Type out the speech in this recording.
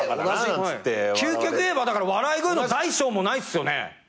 究極言えば笑い声の大小もないっすよね。